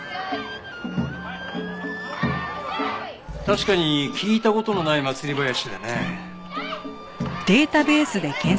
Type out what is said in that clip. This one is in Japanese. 確かに聞いた事のない祭り囃子だね。